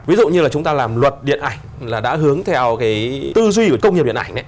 ví dụ như là chúng ta làm luật điện ảnh là đã hướng theo cái tư duy của công nghiệp điện ảnh